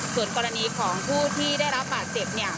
ส่วนกรณีของผู้ที่ได้รับบาดเจ็บเนี่ย